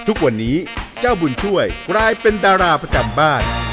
ทุกวันนี้เจ้าบุญช่วยกลายเป็นดาราประจำบ้าน